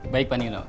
baik pak nino